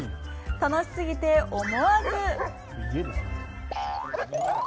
楽しすぎて、思わず。